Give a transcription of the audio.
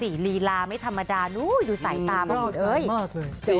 หลีลาไม่ธรรมดาดูใส่ตามาก